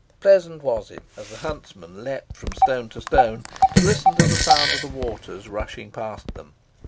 Pleasant was it, as the huntsmen leaped from stone to stone, to listen to the sound of the waters rushing past them.